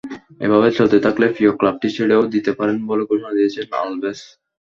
এভাবে চলতে থাকলে প্রিয় ক্লাবটি ছেড়েও দিতে পারেন বলে ঘোষণা দিয়েছেন আলভেজ।